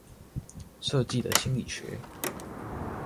設計的心理學